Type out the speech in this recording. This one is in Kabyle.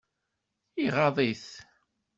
Iɣaḍ-it?